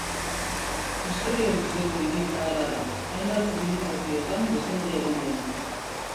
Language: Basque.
Historia luzeko hiri zaharra da, hainbat zibilizaziotan presente egon dena.